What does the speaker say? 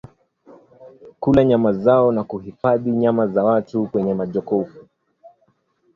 kula nyama zao na kuhifadhi nyama za watu kwenye majokofu